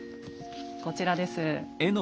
こちらです。